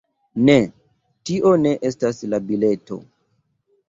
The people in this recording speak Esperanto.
Ne, tio ne estas la bileto